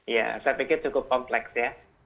ya saya pikir cukup kompleks ya